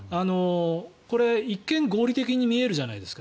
これ、一見、合理的に見えるじゃないですか。